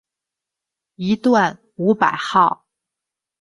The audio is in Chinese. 一段五百号